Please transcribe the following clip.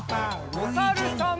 おさるさん。